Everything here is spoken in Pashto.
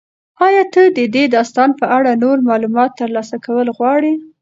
ایا ته د دې داستان په اړه نور معلومات ترلاسه کول غواړې؟